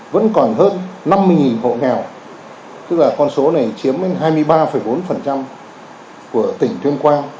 vẫn còn hơn năm mươi hộ nghèo tức là con số này chiếm đến hai mươi ba bốn của tỉnh tuyên quang